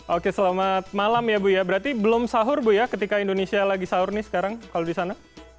oke selamat malam ya bu ya berarti belum sahur bu ya ketika indonesia lagi sahur nih sekarang kalau di sana